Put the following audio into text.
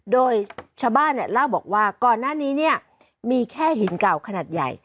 โดยชาวบ้านเล่าบอกว่าก่อนหน้านี้เนี่ยมีแค่หินเก่าขนาดใหญ่